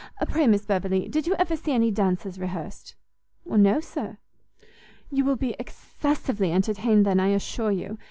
Pray, Miss Beverley, did you ever see any dances rehearsed?" "No, sir." "You will be excessively entertained, then, I assure you.